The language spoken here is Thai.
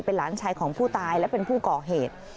เป็นหลานชายของผู้ตายและเป็นผู้ก่อเหตุ